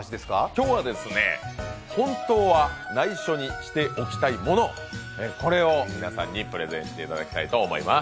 今日は、本当は内緒にしておきたいもの、これを皆さんにプレゼンしていただきたいと思います。